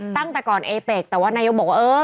ตั้งแต่ก่อนเอเป็กแต่ว่านายกบอกว่าเออ